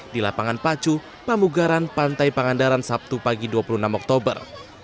di lapangan pacu pamugaran pantai pangandaran sabtu pagi dua puluh enam oktober